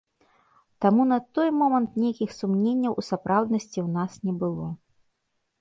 Таму на той момант нейкіх сумненняў у сапраўднасці ў нас не было.